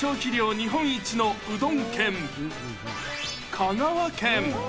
日本一のうどん県、香川県。